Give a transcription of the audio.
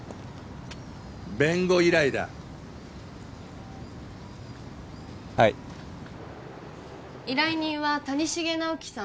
弁護依頼だはい依頼人は谷繁直樹さん